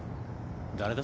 誰だ？